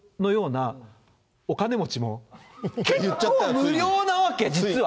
無料なわけ、実は。